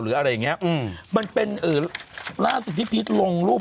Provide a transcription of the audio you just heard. หรืออะไรอย่างนี้มันเป็นล่าสุดที่พีชลงรูป